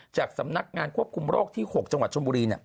จากสำนักงานควบคุมโรคที่๖จังหวัดชนบุรี